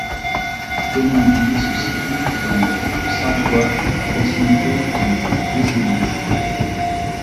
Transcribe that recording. Ognéville se situe dans le Saintois, à proximité de Vézelise.